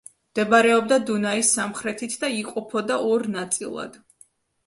მდებარეობდა დუნაის სამხრეთით და იყოფოდა ორ ნაწილად.